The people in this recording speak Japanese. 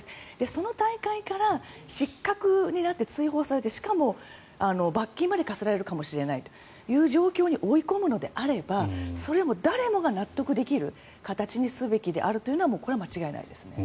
その大会から失格になって追放されて、しかも罰金まで科せられるかもしれないという状況に追い込むのであればそれは誰もが納得できる形にするべきであるのは間違いないです。